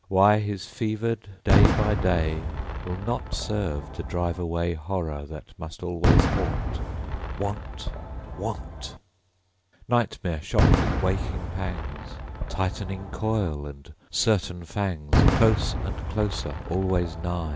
Why his fevered day by day Will not serve to drive away Horror that must always haunt: ... Want ... Want! Nightmare shot with waking pangs; Tightening coil, and certain fangs, Close and closer, always nigh